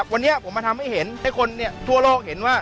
วันนี้ผมมาทำให้เห็นให้คนทั่วโลกเห็นว่า